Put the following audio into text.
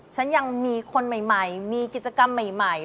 ฉันยังมีคนใหม่มีกิจกรรมใหม่